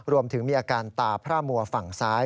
รวมถึงมีอาการตาพระมัวฝั่งซ้าย